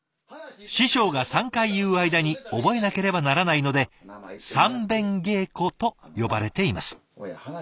師匠が３回言う間に覚えなければならないので三遍稽古と呼ばれています。